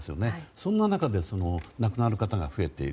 そんな中で亡くなる方が増えている。